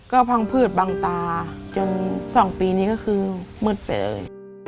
ก็พังพืชบังตาจน๒ปีนี้ก็คือมืดไปเลย